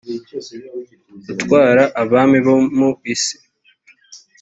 utwara abami bo mu isi